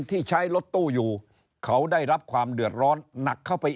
ที่ใช้รถตู้อยู่เขาได้รับความเดือดร้อนหนักเข้าไป